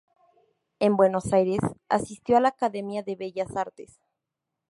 En Buenos Aires asistió a la Academia de Bellas Artes.